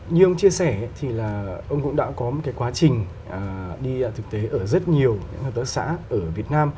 như ông chia sẻ thì là ông cũng đã có một cái quá trình đi thực tế ở rất nhiều những hợp tác xã ở việt nam